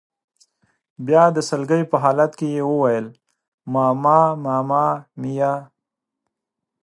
بیا د سلګۍ په حالت کې یې وویل: ماما ماما میا.